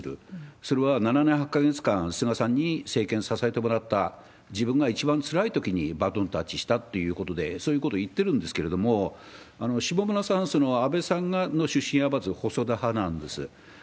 それは７年８か月間、菅さんに政権支えてもらった、自分が一番つらいときにバトンタッチしたってことで、そういうこと言ってるんですけれども、下村さん、その安倍さんの出身派閥、細田派なんです。